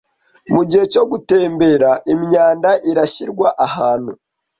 Mugihe cyo gutembera imyanda irashyirwa ahantu